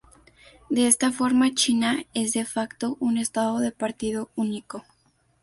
De esta forma, China es, "de facto", un estado de partido único".